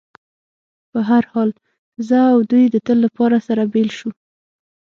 په هر حال، زه او دوی د تل لپاره سره بېل شو.